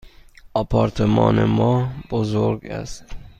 آپارتمان ما بزرگ است.